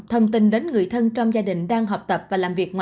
thông tin đến người thân trong gia đình đang học tập và làm việc ngoài